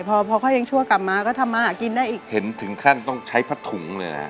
พอพอเขายังชั่วกลับมาก็ทำมาหากินได้อีกเห็นถึงขั้นต้องใช้ผ้าถุงเลยนะฮะ